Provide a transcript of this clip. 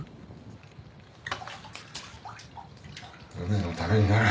梅のためになる。